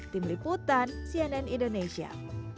tim liputan cnn indonesia